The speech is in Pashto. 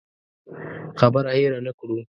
خبره هېره نه کړو.